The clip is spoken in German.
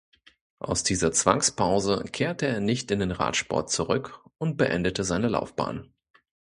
Aus dieser Zwangspause kehrte er nicht in den Radsport zurück und beendete seine Laufbahn.